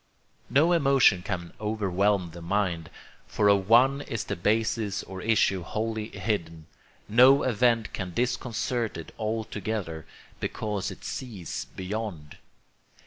No emotion can overwhelm the mind, for of none is the basis or issue wholly hidden; no event can disconcert it altogether, because it sees beyond.